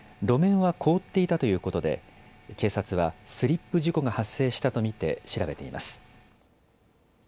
路面は凍っていたということで警察はスリップ事故が発生したと見て調べています。